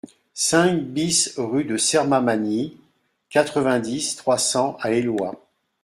cinq BIS rue de Sermamagny, quatre-vingt-dix, trois cents à Éloie